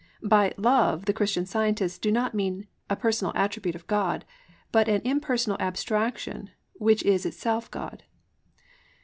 By "love" the Christian Scientists do not mean a personal attribute of God, but an impersonal abstraction which is itself God.